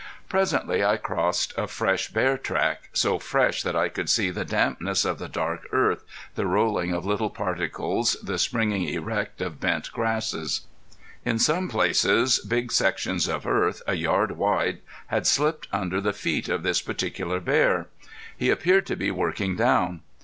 Presently I crossed a fresh bear track, so fresh that I could see the dampness of the dark earth, the rolling of little particles, the springing erect of bent grasses. In some places big sections of earth, a yard wide had slipped under the feet of this particular bear. He appeared to be working down.